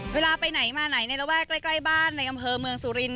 เวลาไปไหนมาไหนในระแวกใกล้บ้านในอำเภอเมืองสุรินท